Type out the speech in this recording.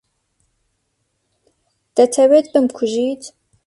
دەتەوێت بمکوژیت؟